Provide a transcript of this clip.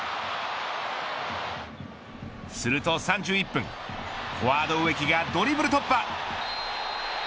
すると３１分フォワード植木がドリブル突破。